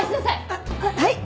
あっはい！